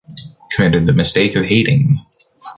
committed the mistake of hating